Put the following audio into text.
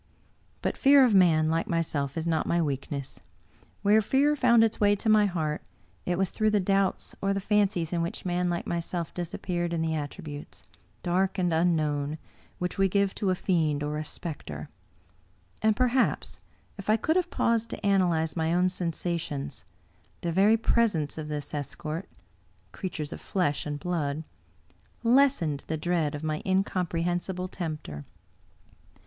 But fear of man like myself is not my weakness ; where fear found its way to my heart, it was through the doubts or the fancies in which man like myself disappeared in the attributes, dark and unknown, which we g^ve to a fiend or a specter. And, perhaps, if I could have paused to analyze my own sensa tions, the very presence of this escort — creatures of flesh and blood — ^lessened the dread of my incomprehensible tempter.